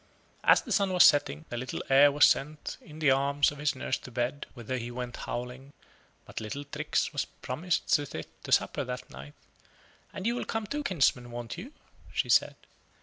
As the sun was setting, the little heir was sent in the arms of his nurse to bed, whither he went howling; but little Trix was promised to sit to supper that night "and you will come too, kinsman, won't you?" she said.